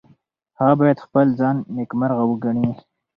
هغه باید خپل ځان نیکمرغه وګڼي.